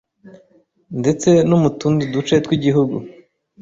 ndetse no mu tundu duce tw’igihugu.